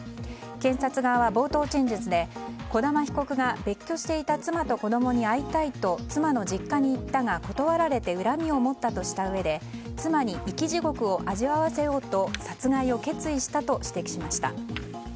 検察側は冒頭陳述で、児玉被告が別居していた妻と子供に会いたいと妻の実家に行ったが断られて恨みを持ったとして妻に生き地獄を味あわせようと殺害を決意したと指摘しました。